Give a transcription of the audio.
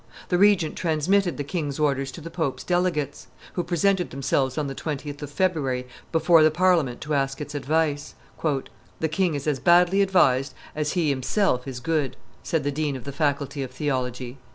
The regent transmitted the king's orders to the pope's delegates, who presented themselves on the 20th of February before the Parliament to ask its advice. "The king is as badly advised as he himself is good," said the dean of the faculty of theology.